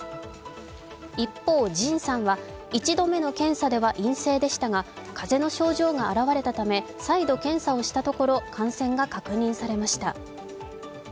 一方ＪＩＮさんは、１度目の検査では陰性でしたが、風邪の症状が現れたため再度検査をしたところ感染が確認されました。